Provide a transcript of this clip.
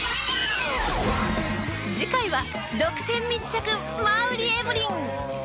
次回は独占密着馬瓜エブリン。